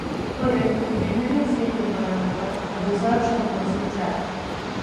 पढ़ें: दिग्विजय सिंह के बयान पर अभिसार शर्मा से चैट